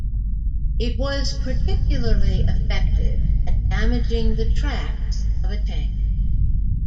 It was particularly effective at damaging the tracks of a tank.